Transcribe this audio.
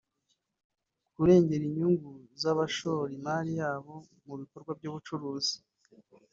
kurengera inyungu z’abashora imari yabo mu bikorwa by’ubucuruzi